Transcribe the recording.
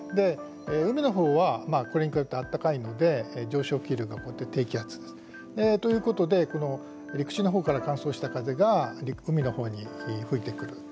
海のほうはまあこれに比べるとあったかいので上昇気流が起こって低気圧。ということで陸地のほうから乾燥した風が海のほうに吹いてくる。